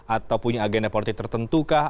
atau punya agenda politik tertentu kah